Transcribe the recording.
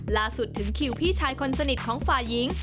ล่าสุดถึงคิวพี่ชายคนสนิทของฝ่ายีง